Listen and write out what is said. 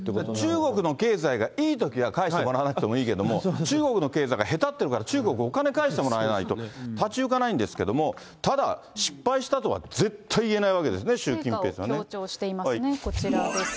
中国の経済がいいときは返してもらわなくてもいいけども、中国の経済がへたってるから、中国、お金返してもらわないと立ち行かないんですけれども、ただ、失敗したとは絶対言えないわけですね、成果を強調していますね、こちらです。